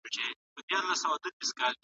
محاسبې ته چمتو اوسئ.